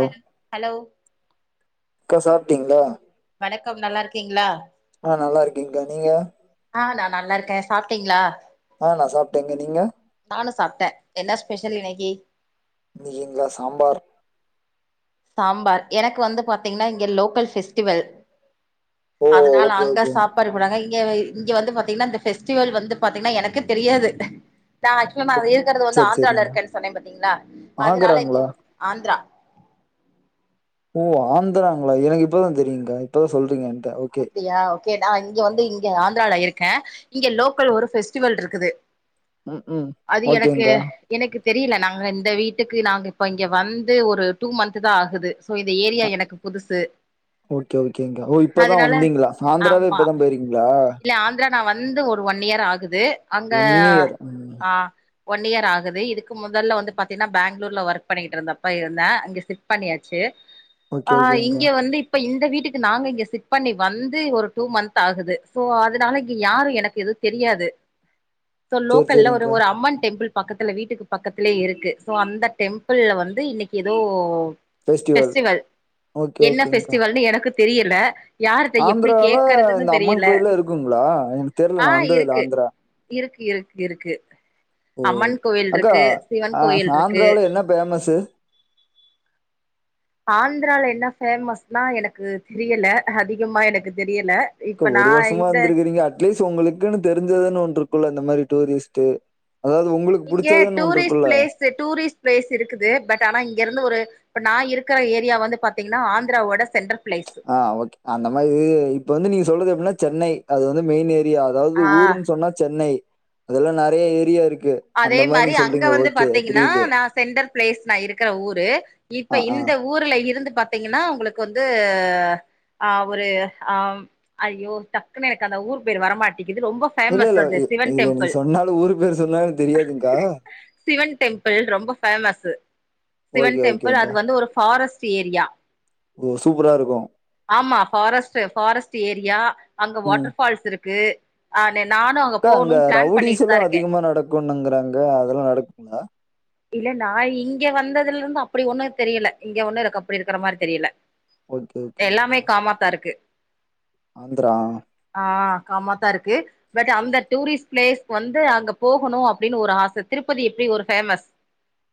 Hello hello அக்கா சாப்ட்டீங்ளா வணக்கம் நல்லாருக்கீங்ளா ஆ நல்லாக்கேங்கா நீங்க ஆ நா நல்லாருக்கே சாப்டீங்ளா ஆ நா சாப்டேங்க நீங்க நானு சாப்ட்ட என்ன ஸ்பெஷல் இன்னைக்கி இன்னிக்கீங்லா சாம்பார் சாம்பார் எனக்கு வந்து பாத்தீங்கன்னா இங்க லோக்கல் ஃபெஸ்டிவல் ஓ அதுனால ஓகே அங்க ஓகே சாப் பாடு போடாங்க இங்க இங்க வந்து பாத்தீங்கன்னா இந்த ஃபெஸ்டிவல் வந்து பாத்தீங்கன்னா எனக்கு தெரியாது நா ஆக்சுவலா நா இருக்கறது வந்து சரி ஆந்த்ரால சரிங்கா இருக்கேன் சொன்னே பாத்தீங்களா அதனால இங்க ஆகராங்களா ஆந்த்ரா ஓ ஆந்துராங்களா எனக்கு இப்பதா தெரியுங்கா இப்பதா சொல்றீங்க என்ட்ட ஓகே அப்டியா ஓகே நா இங்க வந்து இங்க ஆந்துரால இருக்கே இங்க லோக்கல் ஒரு ஃபெஸ்டிவல் இருக்குது ம் ம் அது எனக்கு ஓகேங்கா எனக்கு தெரியல நாங்க இந்த வீட்டுக்கு நாங்க இப்போ இங்க வந்து ஒரு டூ மந்த்து தா ஆகுது சோ இந்த ஏரியா எனக்கு புதுசு ஓகே ஓகேங்கா ஓ இப்பதா அதனால வந்தீங்களா ஆந்திராவே ஆமா இப்பதா போயிருக்கீங்களா இல்ல ஆந்துரா நா வந்து ஒரு ஒன் இயர் ஆகு து அங்க ஒன் இயர் ம் ஆ ஒன் இயர் ஆகுது இதுக்கு மொதல்ல வந்து பாத்தீங்கன்னா பேங்ளூர்ல ஒர்க் பண்ணிகிட்டிருந்தப்ப இருந்தே அங்க ஷிப் பண்ணியாச்சு ஓகே ஆ ஓகேங்கா இங்க வந்து இப்ப இந்த வீட்டுக்கு நாங்க இங்க ஷிப் பண்ணி வந்து ஒரு டூ மந்த் ஆகுது சோ அதனால இங்க யாரு எனக்கு எதுவு தெரியாது சோ சரி லோக்கல்ல ஒரு சரிங்கா ஒரு அம்மன் டெம்பிள் பக்கத்துல வீட்டுக்கு பக்கத்துலே இருக்கு சோ அந்த டெம்பிள்ல வந்து இன்னைக்கு எதோ ஃபெஸ்டிவல் ஓகே என்ன ஓகேங்கா ஃபெஸ்டிவல்னு எனக்கு தெரியல யார்ட்ட எப்டி ஆந்திரால கேக்குறதுன்னு இந்த அம்மன் தெரியல கோயில்லா இருக்குங்களா எனக்கு தெர்ல ஆ நா வந்ததில்ல இருக்கு ஆந்திரா இருக்கு இருக்கு இருக்கு ஓ அம்மன் கோயில் இருக்கு சிவன் கோயில் இருக்கு ஃபேமஸ்சு ஆந்துரால என்ன ஃபேமஸ்னா எனக்கு தெரியல அதிகமா எனக்கு தெரியல கா இப்ப நா ஒரு வருஷமா இந்த இர்ந்திருக்கீங்க அட் ட்லீஸ் உங்களுக்குன்னு தெரிஞ்சதுன்னு ஒன்றுக்குல்ல இந்த மாரி டூரிஸ்ட்டு அதாவ்து உங்களுக் புடிச்சதுன்னு ஒன்றுக்குல்ல செ டூரிஸ்ட் பிளேஸ் இருக்குது பட் ஆனா இங்க இருந்து ஒரு இப்ப நா இருக்குற ஏரியா வந்து பாத்தீங்கன்னா ஆந்துராவோட சென்டர் பிளேஸு ஆ ஓகே அந்த மாதி இப்ப வந்து நீங்க சொல்றது எப்டின்னா சென்னை அது வந்து மெயின் ஏரி யா அதாவ்து ஆ ஊருன்னு சொன்னா சென்னை அதுல்ல நெறைய ஏரியா இருக்கு அதே அந்த மாதிரி மாரி நீங்க அங்க சொல்றீங்க வந்து ஓகே பாத்தீங்கன்னா புரியுது நா சென்டர் பிளேஸ் நா இருக்குற ஊரு இப்ப ஆ ஆ இந்த ஊர்ல இருந்து பாத்தீங்கன்னா உங்களுக்கு வந்து ஆ ஒரு ஆ ஐயோ டக்குன்னு எனக்கு அந்த ஊர் பேர் வரமாட்டேக்குது ரொம்போ இல்ல இல்ல இ இல்ல நீ சொன்னாலு ஊரு பேரு சொன்னாலு சிவன் டெம்பிள் ரொம்ப ஃபேமஸ்ஸு சிவன் ஓகே டெம்பிள் அது ஓகேங்கா வந்து ஒரு ஃபாரஸ்ட்டு ஏரியா ஓ சூப்பரா இருக்கும் ஆமா ஃபாரஸ்ட்டு ஃபாரஸ்ட்டு ஏரியா அங்க ம் வாட்டர்ஃபால்ஸ் இருக்கு ஆனே நானோ கா அங்க ரவுடீஸ் எல்லா அதிகமா நடக்குணுங்குறாங்க அதெல்லா நடக்குங்களா இல்ல நா இங்க வந்ததுல இருந்து அப்டி ஒண்ணு தெரியல இங்க ஒண்ணோ எனக்கு அப்டி இருக்குற மாரி தெரில ஓகே, எல்லாமே ஓகேங்க்கா. காமாத்தா இருக்கு ஆந்திரா. ஆ காமா தா இருக்கு பட் அந்த டூரிஸ்ட் பிளேஸ் வந்து அங்க போகனோ அப் டின் ஒரு ஆச திருப்பதி எப்டி ஒரு ஃபேமஸ்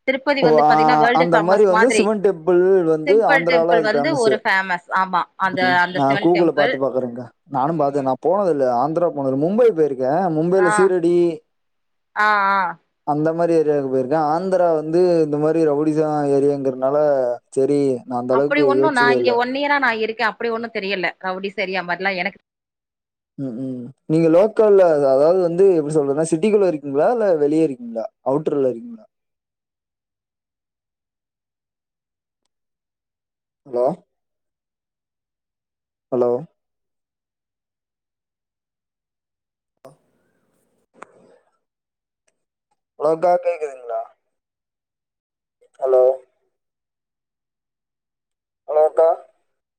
திருப்பதி ஓ வந்து ஆ பாத்தீங்கன்னா வேர்ல்டு அந்த மாரி ஃபேமஸ் வந்து மாதிரி சிவன் டெம்பிள் வந்து சிம்பிள் ஆந்துரால டெம்பிள் அது வந்து ஃபேமஸ்ஸு ஒரு ஃபேமஸ் ஆமா அந்த ம் அந்த நா சிவன் கூகுள டெம்பிள் பாத்து பாக்குறேங்க்கா நானு பாத்தே ம் நா போனதில்ல ஆந்த்ரா போனது மும்பை போயிருக்கே ஆ மும்பைல சீரடி ஆ ஆ அந்த மாரி ஏரியாக்கு போயிருக்கே ஆந்ரா வந்து இந்த மாரி ரவுடிசான ஏரியாங்கிறனால சரி நா அந்த அளவுக்கு யோச்சதே இல்ல அந்நியரா நா இருக்க அப்டி ஒண்ணு தெரியல ரவுடிஸ் ஏரியா மாரிலா எனக்கு ம் ம் நீங்க லோக்கல்ல அதாவது வந்து எப்படி சொல்றது நா சிட்டிக்குள்ள இருக்கிங்ளா இல்ல வெளிய இருக்கிங்ளா அவுட்டர்ல இருக்கிங்ளா ஹலோ ஹலோ அ ஹாலோ அக்கா கேக்குதுங்ளா ஹலோ ஹலோ அக்கா